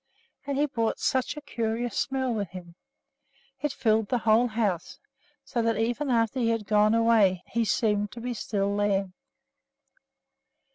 And he brought such a curious smell with him! It filled the whole house, so that, even after he had gone away, he seemed to be still there.